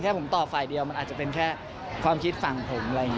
แค่ผมตอบฝ่ายเดียวมันอาจจะเป็นแค่ความคิดฝั่งผม